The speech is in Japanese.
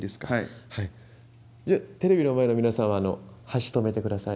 テレビの前の皆さんは箸止めてください。